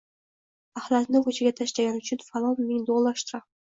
Ahlatni ko‘chaga tashlagani uchun falon ming dollar shtraf